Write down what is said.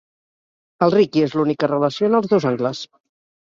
El Riqui és l'únic que relaciona els dos angles.